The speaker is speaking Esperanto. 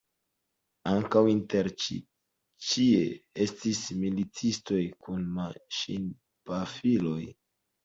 Ankaŭ interne ĉie estis militistoj kun maŝinpafiloj.